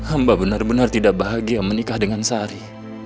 hamba benar benar tidak bahagia menikah dengan sari